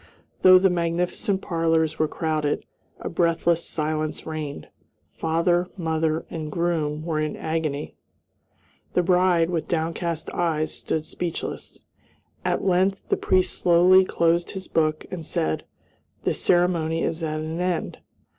Though the magnificent parlors were crowded, a breathless silence reigned. Father, mother, and groom were in agony. The bride, with downcast eyes, stood speechless. At length the priest slowly closed his book and said, "The ceremony is at an end."